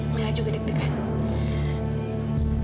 amira juga deg degan